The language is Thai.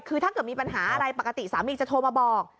คือถ้าเกิดมีปัญหาอะไรปกติสามีจะโทรมาบอก